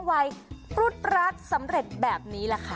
นอนรุภัญสำเร็จแบบนี้แหละค่ะ